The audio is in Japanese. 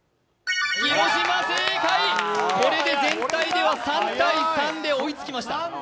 これで全体では３対３で追いつきました。